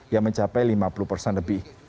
yang mencapai lima puluh persen lebih